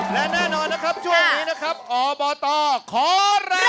และแน่นอนนะครับช่วงนี้นะครับอบตขอแรง